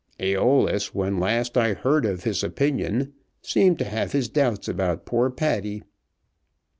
"Æolus, when last I heard of his opinion, seemed to have his doubts about poor Paddy."